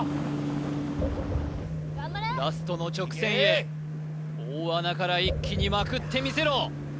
ラストの直線へ大穴から一気にまくってみせろ